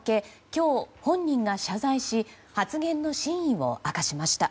今日、本人が謝罪し発言の真意を明かしました。